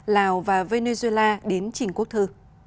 lào và venezuela đến chính quốc thư